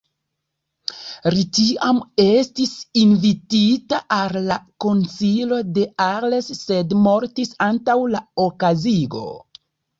Li tiam estis invitita al la Konsilio de Arles sed mortis antaŭ la okazigo.